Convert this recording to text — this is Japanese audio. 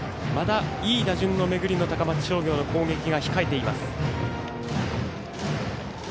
いい打順の巡りの高松商業の攻撃が控えています。